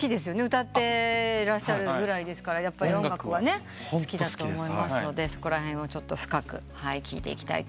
歌ってらっしゃるぐらいですからやっぱり音楽は好きだと思いますのでそこら辺を深く聞いていきたいと思います。